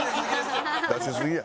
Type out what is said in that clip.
出しすぎや。